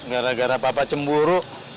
gara gara papa cemburu